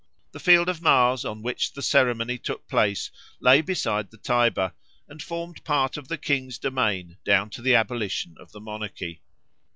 The Field of Mars on which the ceremony took place lay beside the Tiber, and formed part of the king's domain down to the abolition of the monarchy.